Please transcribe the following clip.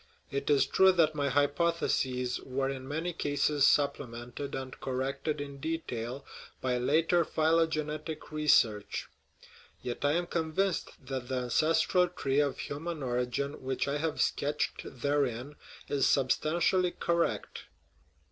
It is true that my hypotheses were in many cases supplemented and corrected in de tail by later phylogenetic research ; yet I am convinced that the ancestral tree of human origin which I have sketched therein is substantially correct.